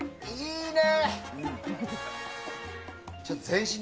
いいね！